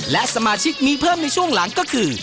และสมาชิกมีเพิ่มในช่วงหลังก็คือ